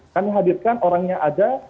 kami hadirkan orangnya ada